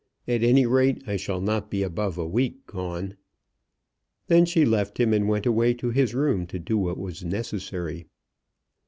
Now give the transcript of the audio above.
At any rate I shall not be above a week gone." Then she left him, and went away to his room to do what was necessary.